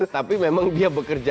tapi memang dia bekerja